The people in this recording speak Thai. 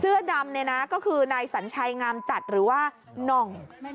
เสื้อดำเนี่ยนะก็คือนายสัญชัยงามจัดหรือว่าน่อง